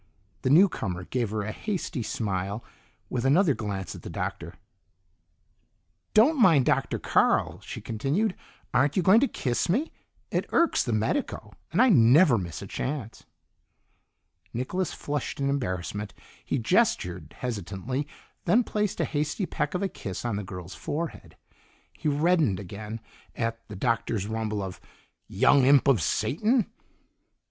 The newcomer gave her a hasty smile, with another glance at the Doctor. "Don't mind Dr. Carl," she continued. "Aren't you going to kiss me? It irks the medico, and I never miss a chance." Nicholas flushed in embarrassment; he gestured hesitantly, then placed a hasty peck of a kiss on the girl's forehead. He reddened again at the Doctor's rumble of "Young imp of Satan!"